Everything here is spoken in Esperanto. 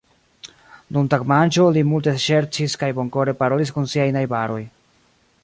Dum tagmanĝo li multe ŝercis kaj bonkore parolis kun siaj najbaroj.